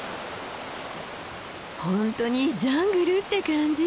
本当にジャングルって感じ。